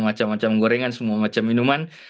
macam macam gorengan semua macam minuman